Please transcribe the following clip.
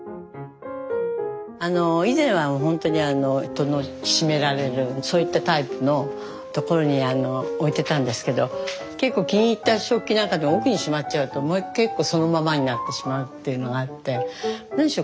以前はほんとに戸の閉められるそういったタイプのところに置いてたんですけど結構気に入った食器なんか奥にしまっちゃうともう結構そのままになってしまうっていうのがあって何しろ